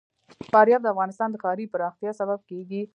فاریاب د افغانستان د ښاري پراختیا سبب کېږي.